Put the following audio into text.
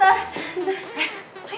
tante teh bawa kue